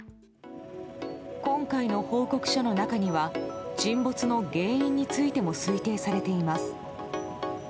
今回の報告書の中には沈没の原因についても推定されています。